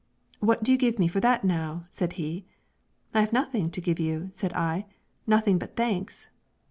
'What do you give me for that now?' said he. 'I have nothing to give you,' said I, 'nothing but thanks.'